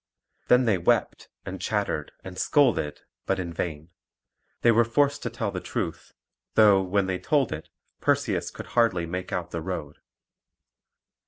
Then they wept, and chattered, and scolded; but in vain. They were forced to tell the truth, though, when they told it, Perseus could hardly make out the road.